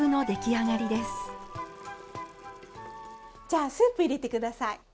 じゃあスープ入れて下さい。